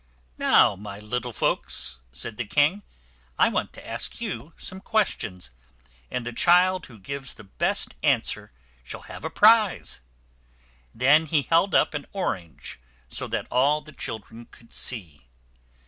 "Now, my little folks," said the king, "I want to ask you some ques tions, and the child who gives the best answer shall have a prize." Then he held up an orange so that all the children could see.